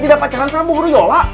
tidak pacaran sama bu huryola